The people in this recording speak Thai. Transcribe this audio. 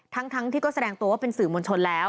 ทั้งที่ก็แสดงตัวว่าเป็นสื่อมวลชนแล้ว